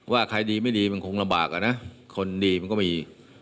ว่าใครดีไม่ดีมันคงลำบากอ่ะนะคนดีมันก็มี